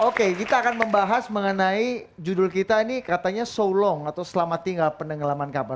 oke kita akan membahas mengenai judul kita ini katanya solong atau selamat tinggal penenggelaman kabar